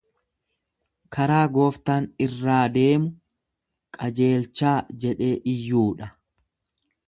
Karaa gooftaan irraa deemu qajeelchaa jedhee iyyuudha.